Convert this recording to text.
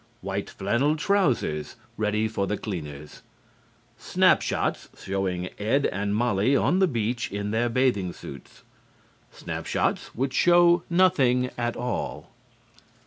White flannel trousers, ready for the cleaners. Snap shots, showing Ed and Mollie on the beach in their bathing suits. Snap shots which show nothing at all.